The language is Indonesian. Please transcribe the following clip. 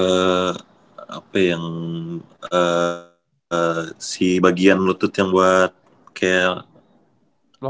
eee apa yang eee si bagian lootut yang buat kayak